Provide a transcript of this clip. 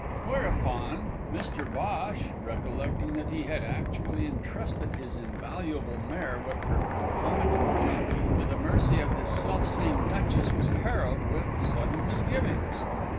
Whereupon Mr Bhosh, recollecting that he had actually entrusted his invaluable mare with her concomitant jockey to the mercy of this self same Duchess, was harrowed with sudden misgivings.